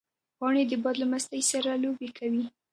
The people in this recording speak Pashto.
پاڼې د باد له مستۍ سره لوبې کوي